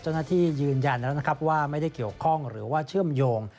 เจ้าหน้าที่ยืนยันแล้วนะครับว่าไม่ได้เกี่ยวข้องหรือว่าเชื่อมโยง